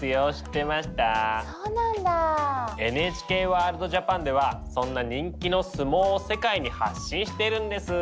「ＮＨＫワールドＪＡＰＡＮ」ではそんな人気の相撲を世界に発信してるんです。